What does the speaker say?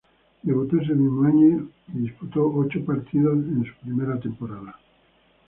Debutó ese mismo año y disputó ocho partidos en su primer temporada.